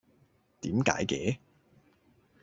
點解嘅？